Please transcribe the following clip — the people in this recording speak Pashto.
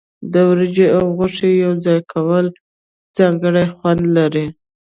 د وریجې او غوښې یوځای کول ځانګړی خوند لري.